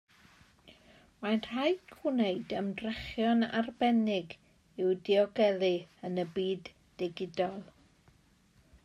Mae'n rhaid gwneud ymdrechion arbennig i'w diogelu yn y byd digidol.